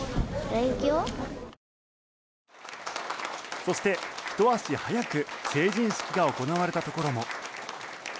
そして、ひと足早く成人式が行われたところも。